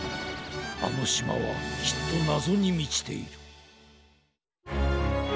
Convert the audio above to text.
あのしまはきっとなぞにみちている。